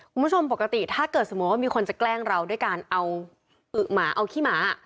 คุณผู้ชมปกติถ้าเกิดสมมุติว่ามีคนจะแกล้งเราด้วยการเอาอึ๋หมาเอาขี้หมา